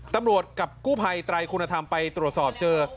กับกู้ภัยไตรคุณธรรมไปตรวจสอบเจอ